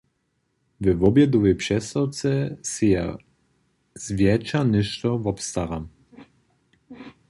We wobjedowej přestawce sej ja zwjetša něšto wobstaram.